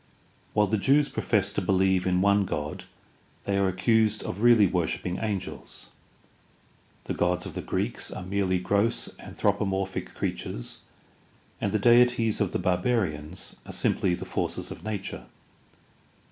While the Jews profess to believe in one god they are accused of really worshiping angels; the gods of the Greeks are merely gross anthropomorphic creatures, and the deities of the barbarians are simply the forces of nature.